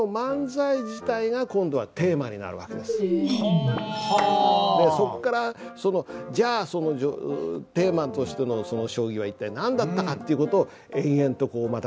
でそこからそのじゃあそのテーマとしての将棋は一体何だったかっていう事を延々とまた始まる訳です。